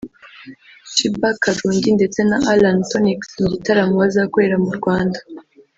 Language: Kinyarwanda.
Sheebah Karungi ndetse na Allan Toniks mu gitaramo bazakorera mu Rwanda